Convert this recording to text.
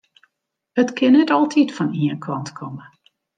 It kin net altyd fan ien kant komme.